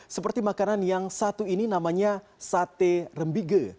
seperti makanan yang satu ini namanya sate rembige